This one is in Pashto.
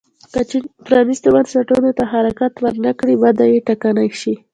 که چین پرانیستو بنسټونو ته حرکت ونه کړي وده یې ټکنۍ شي.